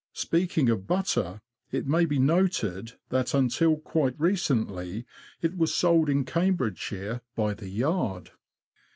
Speak ing of butter, it may be noted that until quite re cently it was sold in Cam bridgeshire by the yard.